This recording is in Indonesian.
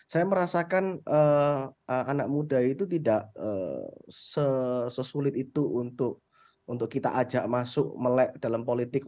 saya merasakan anak muda itu tidak sesulit itu untuk kita ajak masuk melek dalam politik